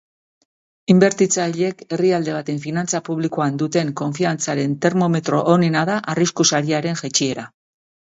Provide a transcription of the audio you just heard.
Inbertitzaileek herrialde baten finantza publikoan duten konfiantzaren termometro onena da arrisku sariaren jaitsiera.